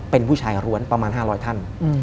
เป็นผู้ชายร้วนประมาณ๕๐๐ท่าน